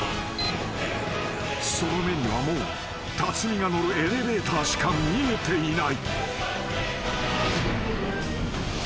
［その目にはもう辰巳が乗るエレベーターしか見えていない］